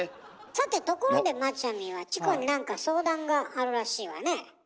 さてところでマチャミはチコに何か相談があるらしいわね。